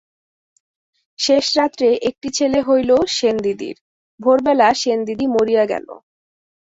শেষ রাত্রে একটি ছেলে হইল সেনদিদির, ভোরবেলা সেনদিদি মরিয়া গেল।